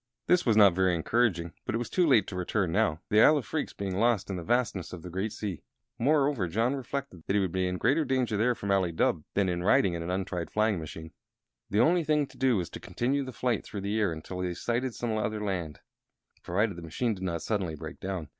This was not very encouraging, but it was too late to return now, the Isle of Phreex being lost in the vastness of the great sea. Moreover, John reflected that he would be in greater danger there from Ali Dubh than in riding in an untried flying machine. The only thing to do was to continue the flight through the air until they sighted some other land provided the machine did not suddenly break down.